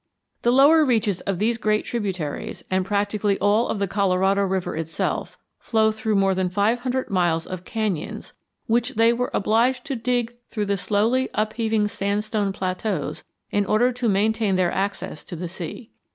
The lower reaches of these great tributaries and practically all of the Colorado River itself flow through more than five hundred miles of canyons which they were obliged to dig through the slowly upheaving sandstone plateaus in order to maintain their access to the sea.